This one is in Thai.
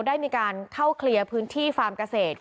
ได้มีการเข้าเคลียร์พื้นที่ฟาร์มเกษตร